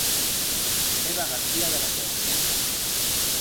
Eva García de la Torre.